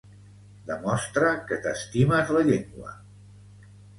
Demostra que t'estimes la llengua